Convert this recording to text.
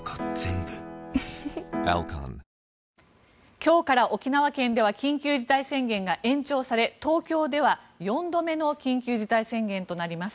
今日から沖縄県では緊急事態宣言が延長され東京では４度目の緊急事態宣言となります。